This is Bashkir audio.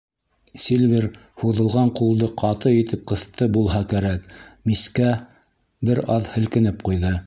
Сильвер һуҙылған ҡулды ҡаты итеп ҡыҫты булһа кәрәк, мискә бер аҙ һелкенеп ҡуйҙы.